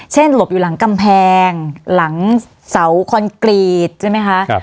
หลบอยู่หลังกำแพงหลังเสาคอนกรีตใช่ไหมคะ